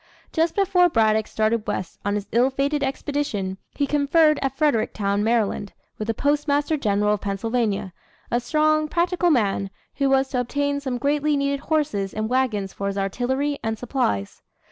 Just before Braddock started west on his ill fated expedition, he conferred at Fredericktown, Maryland, with the Postmaster General of Pennsylvania, a strong, practical man, who was to obtain some greatly needed horses and wagons for his artillery and supplies.